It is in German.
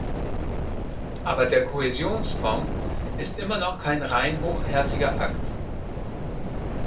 Aber der Kohäsionsfonds ist immer noch kein rein hochherziger Akt.